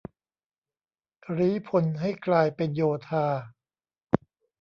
รี้พลให้กลายเป็นโยธา